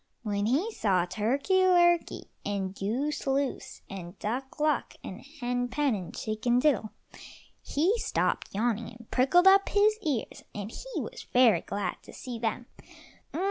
When he saw Turkey lurkey and Goose loose and Duck luck and Hen pen and Chicken diddle he stopped yawning, and pricked up his ears, and he was very glad to see them.